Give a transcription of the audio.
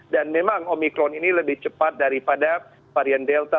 dan memang omikron ini lebih cepat daripada varian delta